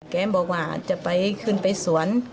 แกบอกว่าจะไปขึ้นไปสวน